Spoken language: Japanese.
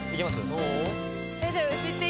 どう？